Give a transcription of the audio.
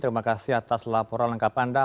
terima kasih atas laporan lengkap anda